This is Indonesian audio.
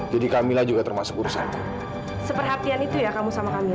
jadi kamilah juga termasuk urusanku